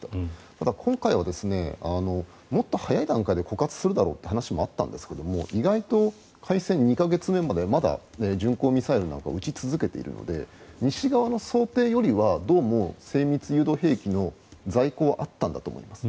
ただ、今回はもっと早い段階で枯渇するだろうって話もあったんですが意外と開戦２か月目までまだ巡航ミサイルなんかを撃ち続けているので西側の想定よりはどうも精密誘導兵器の在庫はあったんだと思います。